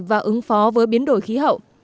và ứng phó với biến đổi khí hậu